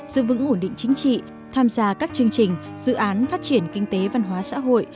giữ vững ổn định chính trị tham gia các chương trình dự án phát triển kinh tế văn hóa xã hội